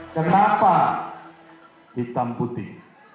kenapa hitam putih